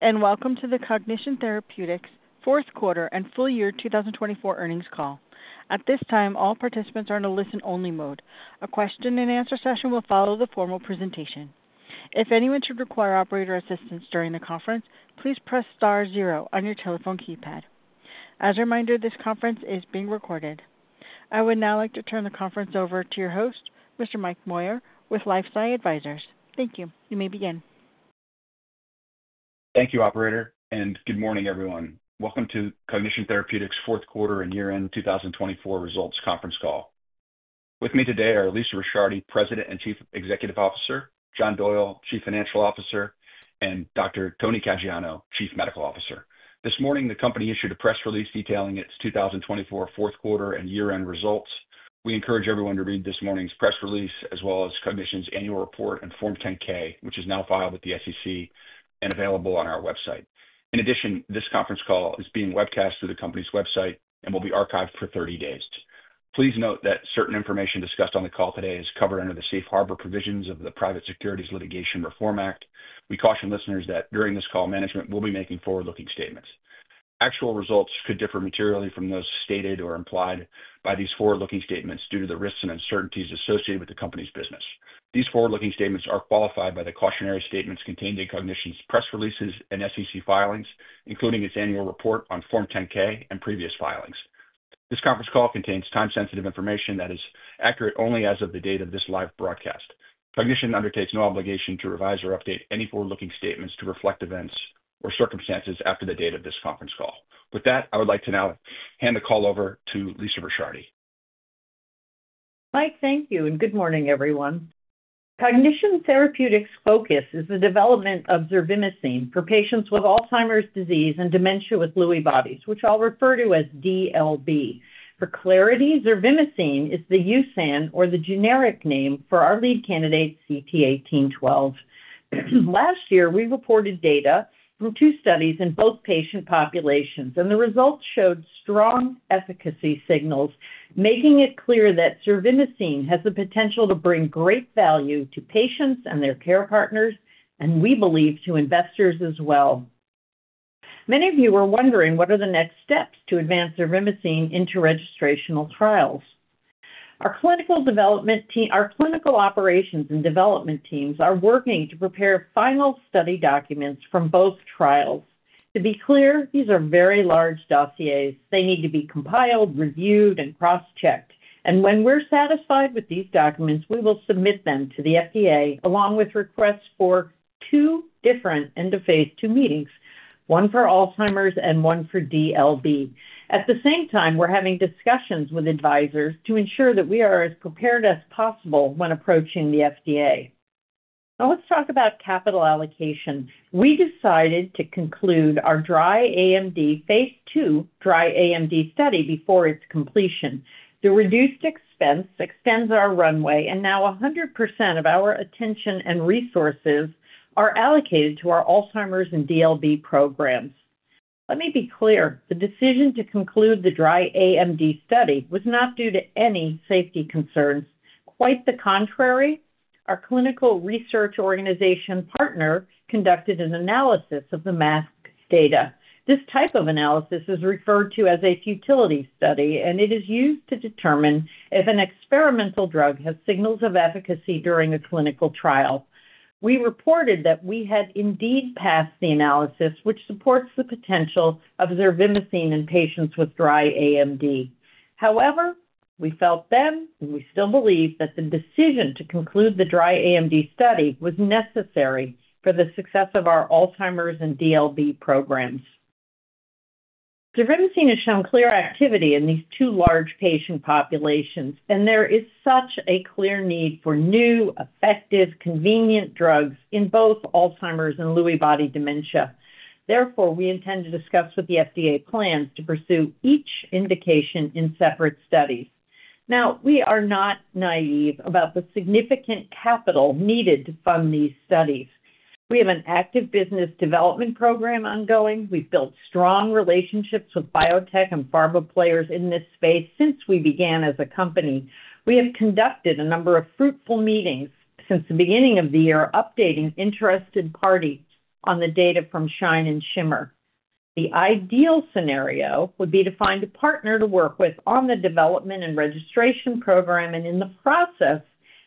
Welcome to the Cognition Therapeutics fourth quarter and full year 2024 earnings call. At this time, all participants are in a listen-only mode. A question-and-answer session will follow the formal presentation. If anyone should require operator assistance during the conference, please press star zero on your telephone keypad. As a reminder, this conference is being recorded. I would now like to turn the conference over to your host, Mr. Mike Moyer, with LifeSci Advisors. Thank you. You may begin. Thank you, Operator, and good morning, everyone. Welcome to Cognition Therapeutics fourth quarter and year-end 2024 results conference call. With me today are Lisa Ricciardi, President and Chief Executive Officer; John Doyle, Chief Financial Officer; and Dr. Tony Caggiano, Chief Medical Officer. This morning, the company issued a press release detailing its 2024 fourth quarter and year-end results. We encourage everyone to read this morning's press release, as well as Cognition's annual report, Form 10-K, which is now filed with the SEC and available on our website. In addition, this conference call is being webcast through the company's website and will be archived for 30 days. Please note that certain information discussed on the call today is covered under the Safe Harbor provisions of the Private Securities Litigation Reform Act. We caution listeners that during this call, management will be making forward-looking statements. Actual results could differ materially from those stated or implied by these forward-looking statements due to the risks and uncertainties associated with the company's business. These forward-looking statements are qualified by the cautionary statements contained in Cognition's press releases and SEC filings, including its annual report on Form 10-K and previous filings. This conference call contains time-sensitive information that is accurate only as of the date of this live broadcast. Cognition undertakes no obligation to revise or update any forward-looking statements to reflect events or circumstances after the date of this conference call. With that, I would like to now hand the call over to Lisa Ricciardi. Mike, thank you, and good morning, everyone. Cognition Therapeutics' focus is the development of zervimesine for patients with Alzheimer's disease and dementia with Lewy bodies, which I'll refer to as DLB. For clarity, zervimesine is the USAN, or the generic name, for our lead candidate, CT1812. Last year, we reported data from two studies in both patient populations, and the results showed strong efficacy signals, making it clear that zervimesine has the potential to bring great value to patients and their care partners, and we believe to investors as well. Many of you are wondering what are the next steps to advance zervimesine into registrational trials. Our clinical operations and development teams are working to prepare final study documents from both trials. To be clear, these are very large dossiers. They need to be compiled, reviewed, and cross-checked. When we're satisfied with these documents, we will submit them to the FDA, along with requests for two different end-of-phase II meetings, one for Alzheimer's and one for DLB. At the same time, we're having discussions with advisors to ensure that we are as prepared as possible when approaching the FDA. Now, let's talk about capital allocation. We decided to conclude our dry AMD, phase II dry AMD study before its completion. The reduced expense extends our runway, and now 100% of our attention and resources are allocated to our Alzheimer's and DLB programs. Let me be clear. The decision to conclude the dry AMD study was not due to any safety concerns. Quite the contrary, our clinical research organization partner conducted an analysis of the masked data. This type of analysis is referred to as a futility analysis, and it is used to determine if an experimental drug has signals of efficacy during a clinical trial. We reported that we had indeed passed the analysis, which supports the potential of zervimesine in patients with dry AMD. However, we felt then, and we still believe, that the decision to conclude the dry AMD study was necessary for the success of our Alzheimer's and DLB programs. Zervimesine has shown clear activity in these two large patient populations, and there is such a clear need for new, effective, convenient drugs in both Alzheimer's and Lewy body dementia. Therefore, we intend to discuss with the FDA plans to pursue each indication in separate studies. Now, we are not naive about the significant capital needed to fund these studies. We have an active business development program ongoing. We've built strong relationships with biotech and pharma players in this space since we began as a company. We have conducted a number of fruitful meetings since the beginning of the year, updating interested parties on the data from SHINE and SHIMMER. The ideal scenario would be to find a partner to work with on the development and registration program and, in the process,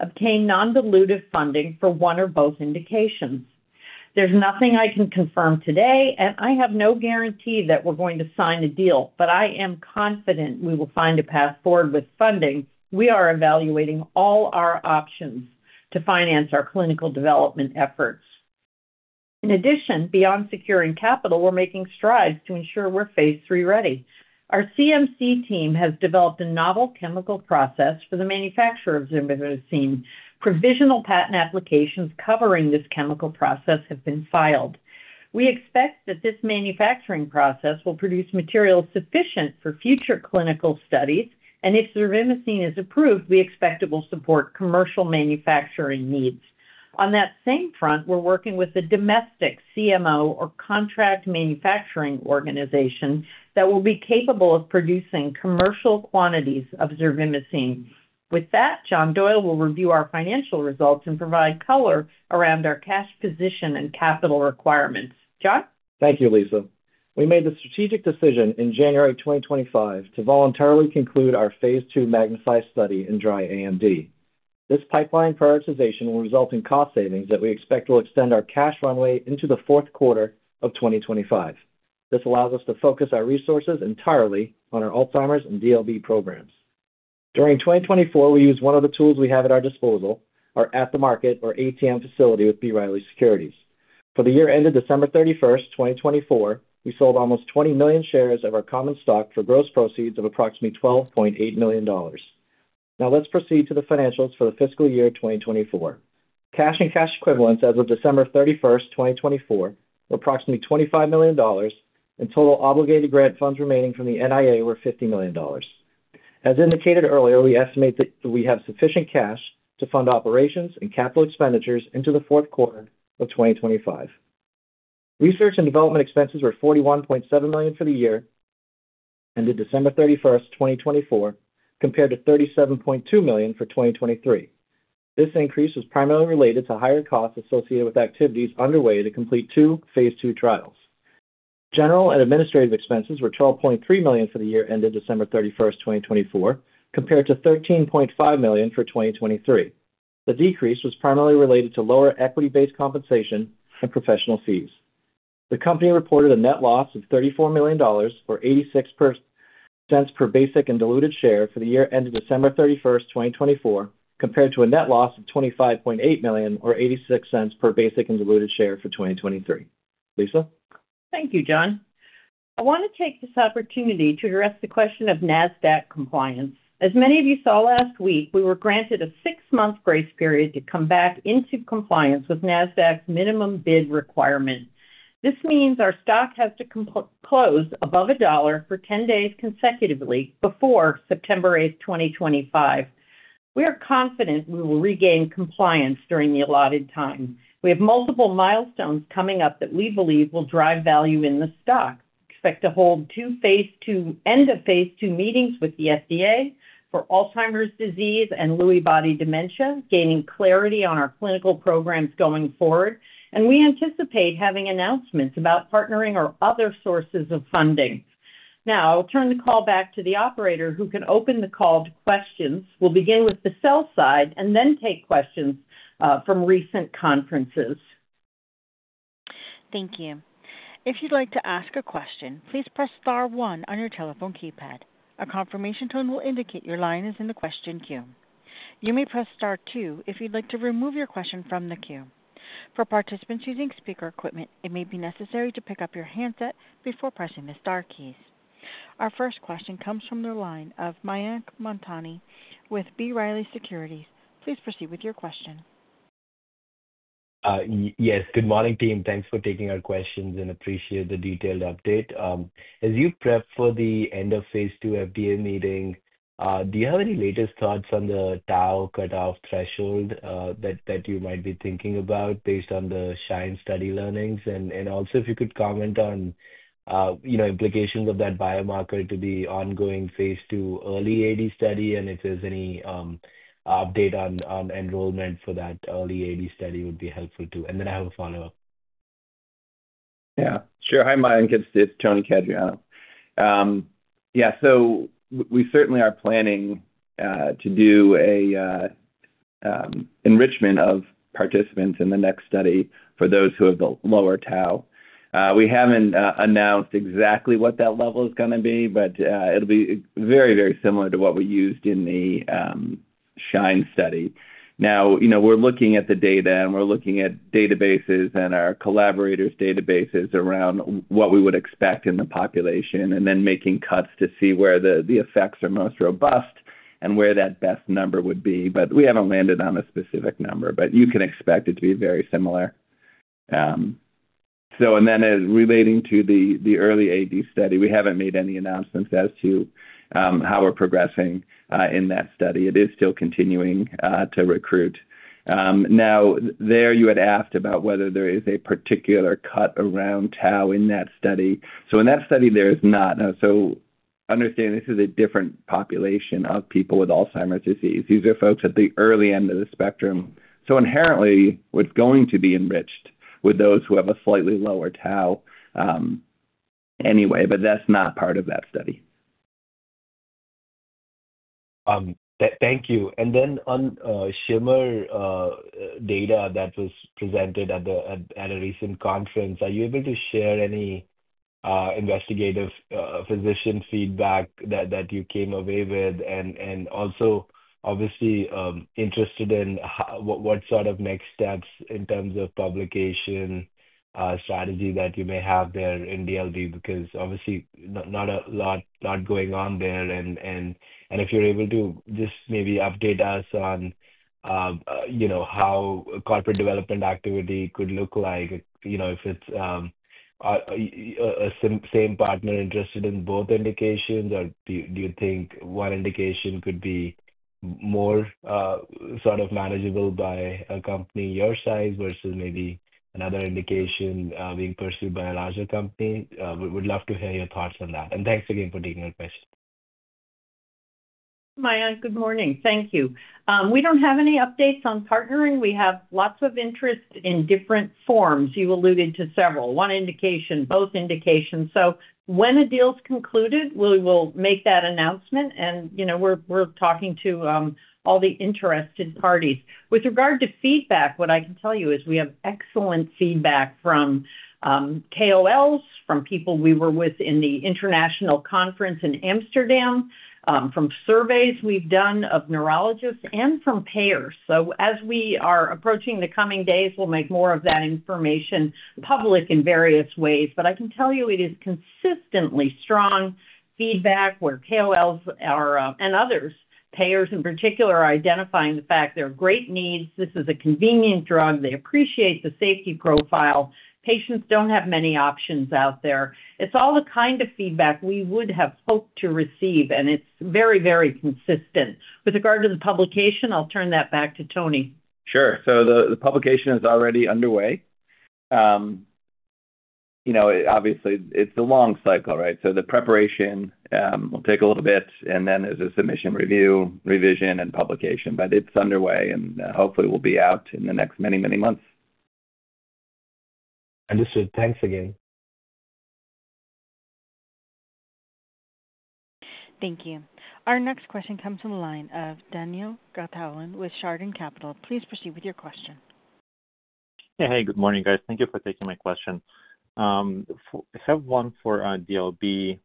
obtain non-dilutive funding for one or both indications. There's nothing I can confirm today, and I have no guarantee that we're going to sign a deal, but I am confident we will find a path forward with funding. We are evaluating all our options to finance our clinical development efforts. In addition, beyond securing capital, we're making strides to ensure we're phase III ready. Our CMC team has developed a novel chemical process for the manufacture of zervimesine. Provisional patent applications covering this chemical process have been filed. We expect that this manufacturing process will produce materials sufficient for future clinical studies, and if zervimesine is approved, we expect it will support commercial manufacturing needs. On that same front, we're working with a domestic CMO or contract manufacturing organization that will be capable of producing commercial quantities of zervimesine. With that, John Doyle will review our financial results and provide color around our cash position and capital requirements. John? Thank you, Lisa. We made the strategic decision in January 2025 to voluntarily conclude our phase II MAGNIFY study in dry AMD. This pipeline prioritization will result in cost savings that we expect will extend our cash runway into the fourth quarter of 2025. This allows us to focus our resources entirely on our Alzheimer's and DLB programs. During 2024, we used one of the tools we have at our disposal, our At the Market or ATM facility with B. Riley Securities. For the year ended December 31, 2024, we sold almost 20 million shares of our common stock for gross proceeds of approximately $12.8 million. Now, let's proceed to the financials for the fiscal year 2024. Cash and cash equivalents as of December 31, 2024, were approximately $25 million, and total obligated grant funds remaining from the NIA were $50 million. As indicated earlier, we estimate that we have sufficient cash to fund operations and capital expenditures into the fourth quarter of 2025. Research and development expenses were $41.7 million for the year ended December 31, 2024, compared to $37.2 million for 2023. This increase was primarily related to higher costs associated with activities underway to complete two phase II trials. General and administrative expenses were $12.3 million for the year ended December 31, 2024, compared to $13.5 million for 2023. The decrease was primarily related to lower equity-based compensation and professional fees. The company reported a net loss of $34 million or $0.86 per basic and diluted share for the year ended December 31, 2024, compared to a net loss of $25.8 million or $0.86 per basic and diluted share for 2023. Lisa? Thank you, John. I want to take this opportunity to address the question of NASDAQ compliance. As many of you saw last week, we were granted a six-month grace period to come back into compliance with NASDAQ's minimum bid requirement. This means our stock has to close above a dollar for 10 days consecutively before September 8, 2025. We are confident we will regain compliance during the allotted time. We have multiple milestones coming up that we believe will drive value in the stock. We expect to hold two end-of-phase II meetings with the FDA for Alzheimer's disease and Lewy body dementia, gaining clarity on our clinical programs going forward, and we anticipate having announcements about partnering or other sources of funding. Now, I'll turn the call back to the Operator, who can open the call to questions. We'll begin with the sell side and then take questions from recent conferences. Thank you. If you'd like to ask a question, please press star one on your telephone keypad. A confirmation tone will indicate your line is in the question queue. You may press star two if you'd like to remove your question from the queue. For participants using speaker equipment, it may be necessary to pick up your handset before pressing the star keys. Our first question comes from the line of Mayank Mamtani with B. Riley Securities. Please proceed with your question. Yes. Good morning, team. Thanks for taking our questions and appreciate the detailed update. As you prep for the end-of-phase II FDA meeting, do you have any latest thoughts on the tau cutoff threshold that you might be thinking about based on the SHINE study learnings? If you could comment on implications of that biomarker to the ongoing phase II early AD study, and if there's any update on enrollment for that early AD study would be helpful too. I have a follow-up. Yeah. Sure. Hi, Mayank. It's Tony Caggiano. Yeah. We certainly are planning to do an enrichment of participants in the next study for those who have the lower tau. We haven't announced exactly what that level is going to be, but it'll be very, very similar to what we used in the SHINE study. Now, we're looking at the data, and we're looking at databases and our collaborators' databases around what we would expect in the population, and then making cuts to see where the effects are most robust and where that best number would be. We haven't landed on a specific number, but you can expect it to be very similar. Relating to the early AD study, we haven't made any announcements as to how we're progressing in that study. It is still continuing to recruit. Now, there you had asked about whether there is a particular cut around tau in that study. In that study, there is not. Understand this is a different population of people with Alzheimer's disease. These are folks at the early end of the spectrum. Inherently, we're going to be enriched with those who have a slightly lower tau anyway, but that's not part of that study. Thank you. On SHIMMER data that was presented at a recent conference, are you able to share any investigative physician feedback that you came away with? Also, obviously, interested in what sort of next steps in terms of publication strategy that you may have there in DLB because, obviously, not a lot going on there. If you're able to just maybe update us on how corporate development activity could look like, if it's a same partner interested in both indications, or do you think one indication could be more sort of manageable by a company your size versus maybe another indication being pursued by a larger company? We'd love to hear your thoughts on that. Thanks again for taking our questions. Mayank, good morning. Thank you. We do not have any updates on partnering. We have lots of interest in different forms. You alluded to several, one indication, both indications. When a deal is concluded, we will make that announcement, and we are talking to all the interested parties. With regard to feedback, what I can tell you is we have excellent feedback from KOLs, from people we were with in the international conference in Amsterdam, from surveys we have done of neurologists, and from payers. As we are approaching the coming days, we will make more of that information public in various ways. I can tell you it is consistently strong feedback where KOLs and others, payers in particular, are identifying the fact there are great needs. This is a convenient drug. They appreciate the safety profile. Patients do not have many options out there. It's all the kind of feedback we would have hoped to receive, and it's very, very consistent. With regard to the publication, I'll turn that back to Tony. Sure. The publication is already underway. Obviously, it's a long cycle, right? The preparation will take a little bit, and then there's a submission review, revision, and publication. It's underway, and hopefully, we'll be out in the next many, many months. Understood. Thanks again. Thank you. Our next question comes from the line of Daniil Gataulin with Chardan Capital. Please proceed with your question. Hey, good morning, guys. Thank you for taking my question. I have one for DLB,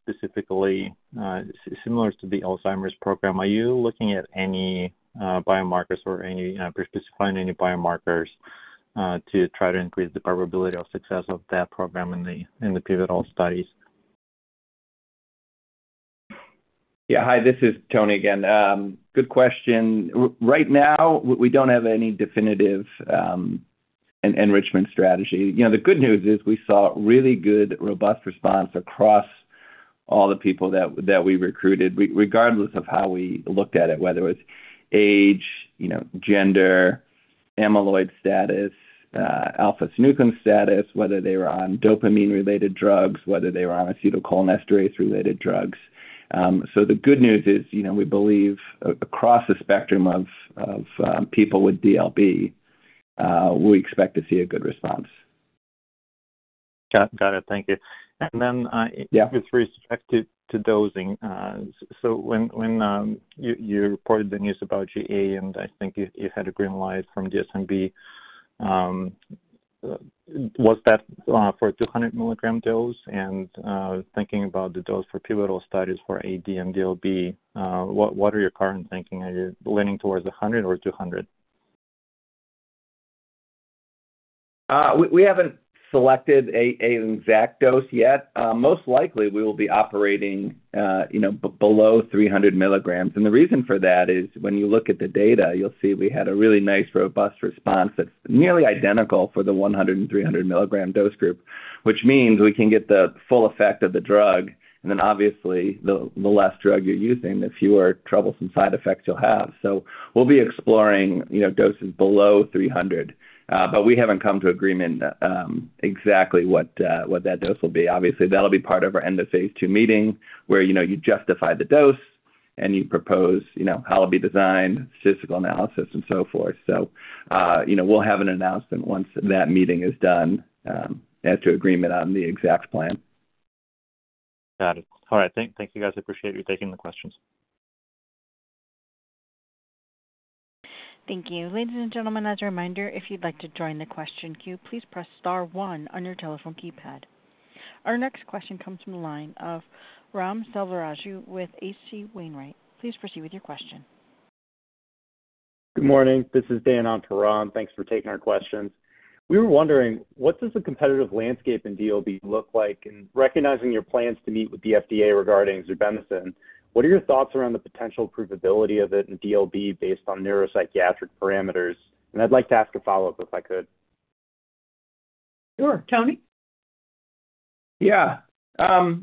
specifically similar to the Alzheimer's program. Are you looking at any biomarkers or specifying any biomarkers to try to increase the probability of success of that program in the pivotal studies? Yeah. Hi, this is Tony again. Good question. Right now, we do not have any definitive enrichment strategy. The good news is we saw really good, robust response across all the people that we recruited, regardless of how we looked at it, whether it was age, gender, amyloid status, alpha-synuclein status, whether they were on dopamine-related drugs, whether they were on acetylcholinesterase-related drugs. The good news is we believe across the spectrum of people with DLB, we expect to see a good response. Got it. Thank you. With respect to dosing, when you reported the news about GA and I think you had a green light from DSMB, was that for a 200-milligram dose? Thinking about the dose for pivotal studies for AD and DLB, what are your current thinking? Are you leaning towards 100 or 200? We haven't selected an exact dose yet. Most likely, we will be operating below 300 milligrams. The reason for that is when you look at the data, you'll see we had a really nice, robust response that's nearly identical for the 100 and 300-milligram dose group, which means we can get the full effect of the drug. Obviously, the less drug you're using, the fewer troublesome side effects you'll have. We will be exploring doses below 300, but we haven't come to agreement exactly what that dose will be. That will be part of our end-of-phase II meeting where you justify the dose and you propose how it'll be designed, statistical analysis, and so forth. We will have an announcement once that meeting is done as to agreement on the exact plan. Got it. All right. Thank you, guys. Appreciate you taking the questions. Thank you. Ladies and gentlemen, as a reminder, if you'd like to join the question queue, please press star one on your telephone keypad. Our next question comes from the line of Ram Selvaraju with H.C. Wainwright. Please proceed with your question. Good morning. This is Dan. Thanks for taking our questions. We were wondering, what does the competitive landscape in DLB look like? Recognizing your plans to meet with the FDA regarding zervimesine, what are your thoughts around the potential approvability of it in DLB based on neuropsychiatric parameters? I'd like to ask a follow-up if I could. Sure. Tony? Yeah. The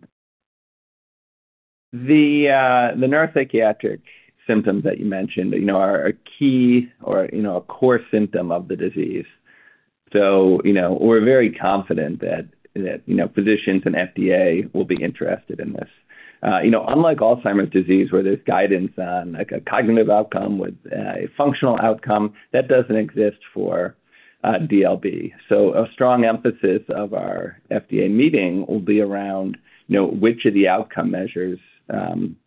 neuropsychiatric symptoms that you mentioned are a key or a core symptom of the disease. We are very confident that physicians and FDA will be interested in this. Unlike Alzheimer's disease, where there is guidance on a cognitive outcome with a functional outcome, that does not exist for DLB. A strong emphasis of our FDA meeting will be around which of the outcome measures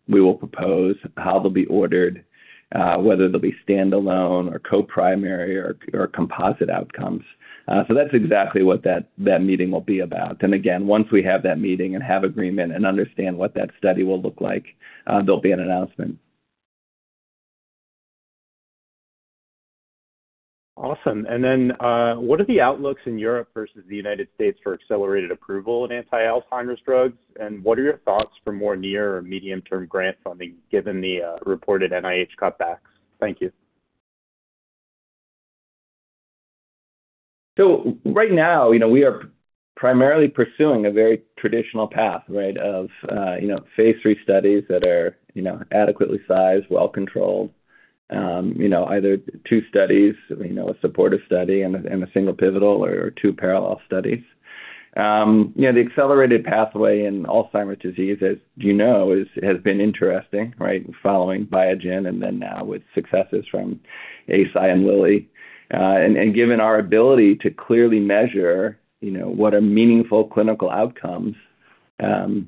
we will propose, how they will be ordered, whether they will be standalone or co-primary or composite outcomes. That is exactly what that meeting will be about. Again, once we have that meeting and have agreement and understand what that study will look like, there will be an announcement. Awesome. What are the outlooks in Europe versus the United States for accelerated approval in anti-Alzheimer's drugs? What are your thoughts for more near or medium-term grant funding given the reported NIH cutbacks? Thank you. Right now, we are primarily pursuing a very traditional path, right, of phase III studies that are adequately sized, well-controlled, either two studies, a supportive study, and a single pivotal, or two parallel studies. The accelerated pathway in Alzheimer's disease, as you know, has been interesting, right, following Biogen and then now with successes from Eisai and Eli Lilly. And given our ability to clearly measure what are meaningful clinical outcomes, our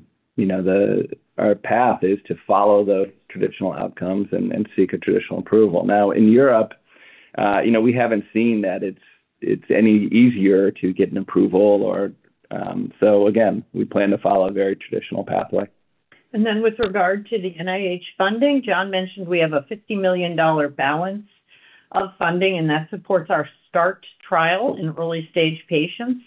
path is to follow those traditional outcomes and seek a traditional approval. In Europe, we haven't seen that it's any easier to get an approval. Again, we plan to follow a very traditional pathway. With regard to the NIH funding, John mentioned we have a $50 million balance of funding, and that supports our START trial in early-stage patients.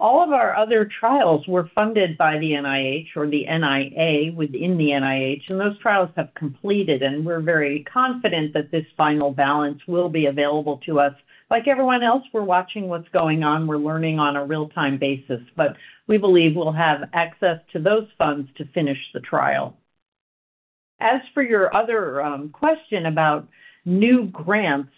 All of our other trials were funded by the NIH or the NIA within the NIH, and those trials have completed. We are very confident that this final balance will be available to us. Like everyone else, we are watching what is going on. We are learning on a real-time basis, but we believe we will have access to those funds to finish the trial. As for your other question about new grants,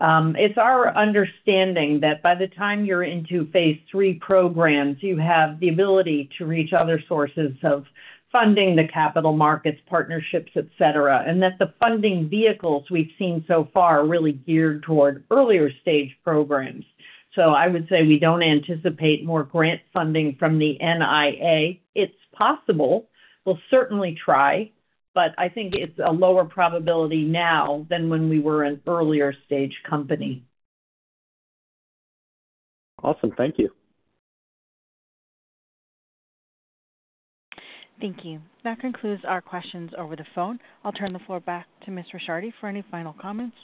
it is our understanding that by the time you are into phase III programs, you have the ability to reach other sources of funding, the capital markets, partnerships, etc., and that the funding vehicles we have seen so far are really geared toward earlier-stage programs. I would say we don't anticipate more grant funding from the NIA. It's possible. We'll certainly try, but I think it's a lower probability now than when we were an earlier-stage company. Awesome. Thank you. Thank you. That concludes our questions over the phone. I'll turn the floor back to Ms. Ricciardi for any final comments.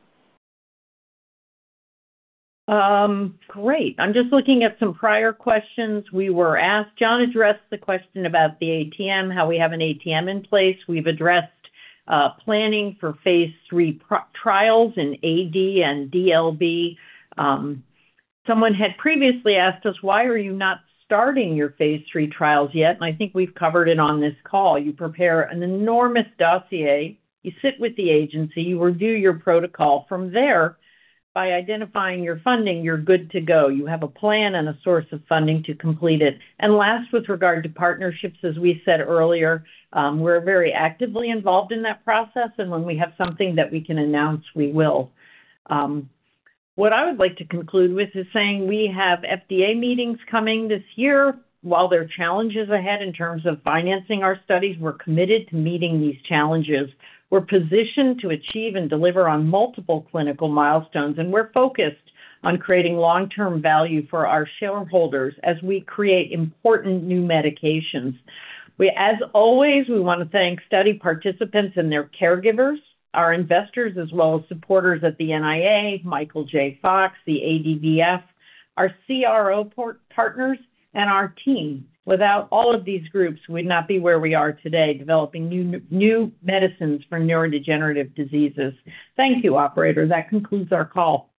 Great. I'm just looking at some prior questions we were asked. John addressed the question about the ATM, how we have an ATM in place. We've addressed planning for phase III trials in AD and DLB. Someone had previously asked us, "Why are you not starting your phase III trials yet?" I think we've covered it on this call. You prepare an enormous dossier. You sit with the agency. You review your protocol. From there, by identifying your funding, you're good to go. You have a plan and a source of funding to complete it. Last, with regard to partnerships, as we said earlier, we're very actively involved in that process, and when we have something that we can announce, we will. What I would like to conclude with is saying we have FDA meetings coming this year. While there are challenges ahead in terms of financing our studies, we're committed to meeting these challenges. We're positioned to achieve and deliver on multiple clinical milestones, and we're focused on creating long-term value for our shareholders as we create important new medications. As always, we want to thank study participants and their caregivers, our investors, as well as supporters at the NIA, Michael J. Fox, CADVF, our CRO partners, and our team. Without all of these groups, we'd not be where we are today developing new medicines for neurodegenerative diseases. Thank you, operators. That concludes our call.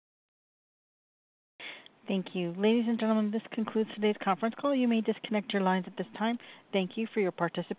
Thank you. Ladies and gentlemen, this concludes today's conference call. You may disconnect your lines at this time. Thank you for your participation.